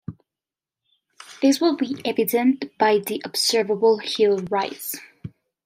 This would be evident by the observable heel rise.